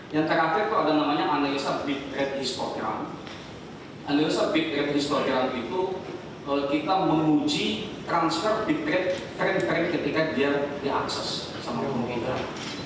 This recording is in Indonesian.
yang terakhir itu ada namanya analisa bitrate histogram analisa bitrate histogram itu kalau kita menguji transfer bitrate frame frame ketika dia diakses sama multimedial